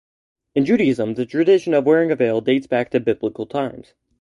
In Judaism, the tradition of wearing a veil dates back to biblical times.